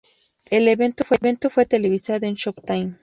El evento fue televisado en Showtime.